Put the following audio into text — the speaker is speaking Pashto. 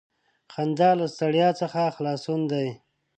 • خندا له ستړیا څخه خلاصون دی.